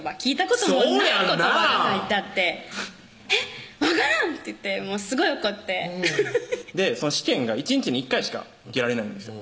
言葉が書いてあって「えっ分からん！」って言ってすごい怒って試験が１日に１回しか受けられないんですよ